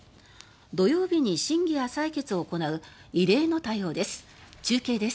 土曜日に審議や採決を行う異例の対応です。